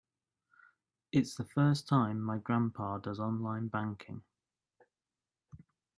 It's the first time my grandpa does online banking.